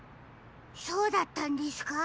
そうだったんですか？